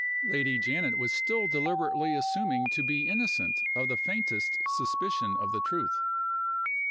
Lady Janet was still deliberately assuming to be innocent of the faintest suspicion of the truth.